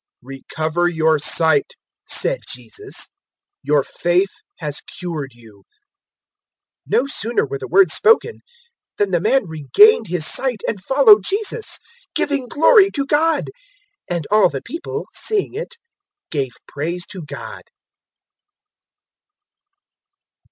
018:042 "Recover your sight," said Jesus: "your faith has cured you." 018:043 No sooner were the words spoken than the man regained his sight and followed Jesus, giving glory to God; and all the people, seeing it, gave praise to God.